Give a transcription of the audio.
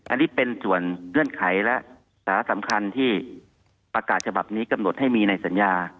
อันนี้เป็นส่วนเงื่อนไขและสารสำคัญที่ประกาศฉบับนี้กำหนดให้มีในสัญญา